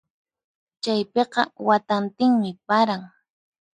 Chaypiqa watantinmi paran.